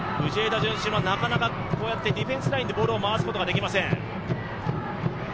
順心はなかなかディフェンスラインでボールを回すことができません。